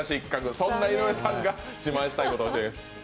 そんな井上さんが自慢したいことを。